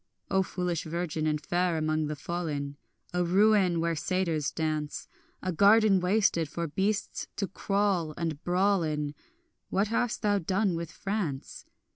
O foolish virgin and fair among the fallen, A ruin where satyrs dance, A garden wasted for beasts to crawl and brawl in, What hast thou done with France?